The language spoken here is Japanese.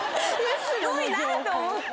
すごいなと思って。